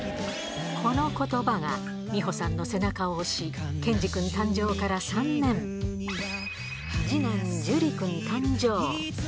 このことばが、美保さんの背中を押し、ケンジくん誕生から３年、次男、ジュリくん誕生。